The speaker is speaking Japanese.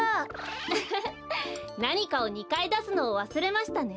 フフフなにかを２かいだすのをわすれましたね。